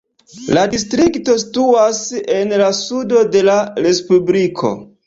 La distrikto situas en la sudo de la respubliko.